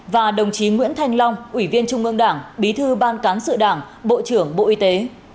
và đồng chí nguyễn thanh long ủy viên trung ương đảng bí thư ban cán sự đảng bộ trưởng bộ y tế